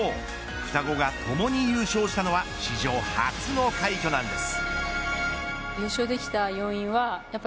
双子がともに優勝したのは史上初の快挙なんです。